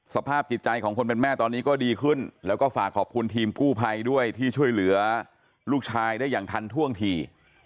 สภาพจิตใจของคนเป็นแม่ตอนนี้ก็ดีขึ้นแล้วก็ฝากขอบคุณทีมกู้ภัยด้วยที่ช่วยเหลือลูกชายได้อย่างทันท่วงที